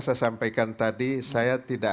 saya sampaikan tadi saya tidak